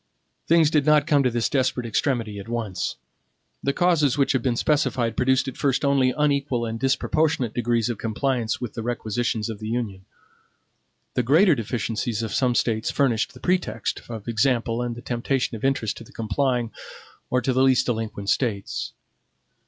Things did not come to this desperate extremity at once. The causes which have been specified produced at first only unequal and disproportionate degrees of compliance with the requisitions of the Union. The greater deficiencies of some States furnished the pretext of example and the temptation of interest to the complying, or to the least delinquent States.